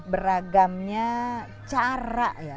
beragamnya cara ya